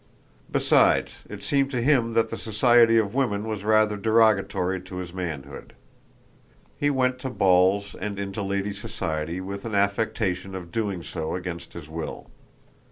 Besides, it seemed to him that the society of women was rather derogatory to his manhood. He went to balls and into ladies' society with an affectation of doing so against his will.